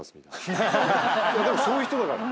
でもそういう人だから。